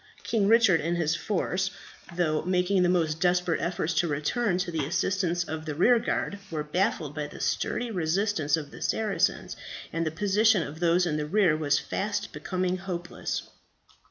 King Richard and his force, though making the most desperate efforts to return to the assistance of the rearguard, were baffled by the sturdy resistance of the Saracens, and the position of those in the rear was fast becoming hopeless.